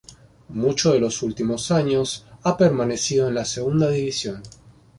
Muchos de los últimos años ha permanecido en la segunda división.